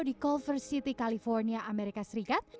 di colver city california amerika serikat